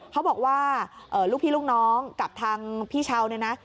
เขาบอกว่าลูกพี่ลูกน้องกับทางพี่เช้าเนี่ยนะ